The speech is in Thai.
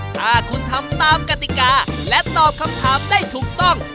ถ้าคุณทำตามกติกาและตอบคำถามได้ถูกต้อง